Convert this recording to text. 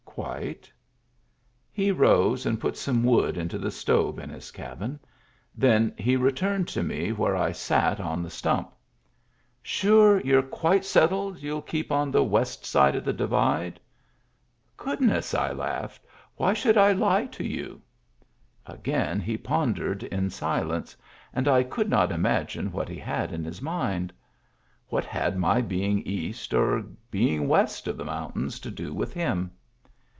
" Quite " He rose, and put some wood into the stove in his cabin; then he returned to me where I sat on Digitized by Google i8o MEMBERS OF THE FAMILY the stump. " Sure you're quite settled youll keep on the west side of the Divide ?" "Goodness!" I laughed, "why should I lie to you?" Again he pondered in silence, and I could not imagine what he had in his mind. What had my being east or being west of the mountains to do with him